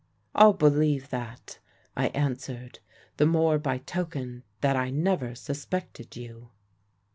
"'I'll believe that,' I answered; 'the more by token that I never suspected you.'